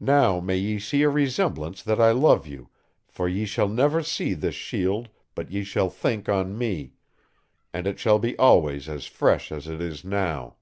Now may ye see a remembrance that I love you, for ye shall never see this shield but ye shall think on me, and it shall be always as fresh as it is now.